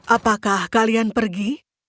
apakah kalian pergi